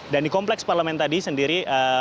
dan di kompleks parlemen tadi sendiri